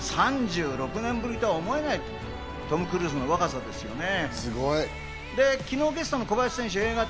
３６年ぶりとは思えないトム・クルーズの若さですね。